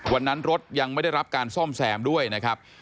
วันนั้นรถยังไม่ได้รับการซ่อมแซมด้วยนะครับ